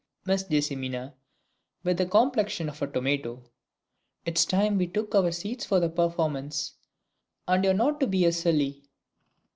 Miss Jess. (with the complexion of a tomato). It's time we took our seats for the performance. And you are not to be a silly!